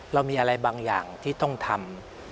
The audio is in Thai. เรามีอะไรบางอย่างที่ต้องทำ